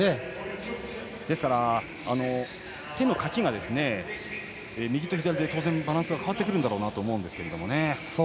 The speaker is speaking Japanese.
ですから、手のかきが右と左で当然バランスが変わってくるだろうと思いますが。